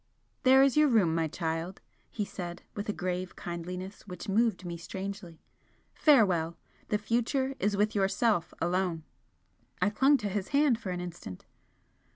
"There is your room, my child," he said, with a grave kindliness which moved me strangely "Farewell! The future is with yourself alone." I clung to his hand for an instant.